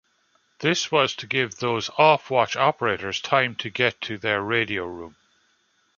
This was to give those off-watch operators time to get to their radio room.